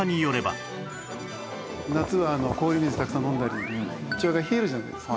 夏は氷水をたくさん飲んだり胃腸が冷えるじゃないですか。